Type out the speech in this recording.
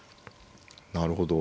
なるほど。